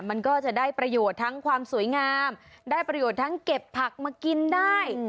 มันก็จะได้ประโยชน์ทั้งความสวยงามได้ประโยชน์ทั้งเก็บผักมากินได้